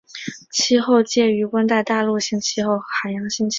气候介于温带大陆性气候和海洋性气候。